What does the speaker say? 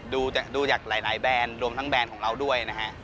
ดูจากหลายแบรนด์รวมทั้งแบรนด์ของเราด้วยนะฮะ